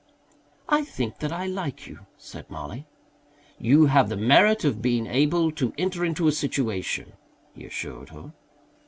"I think that I like you," said Mollie. "You have the merit of being able to enter into a situation," he assured her.